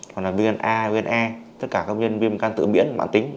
hoặc là viên gan a viên gan e tất cả các viên viên gan tự biến mạng tính